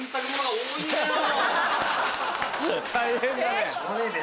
大変だね。